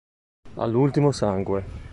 All'ultimo sangue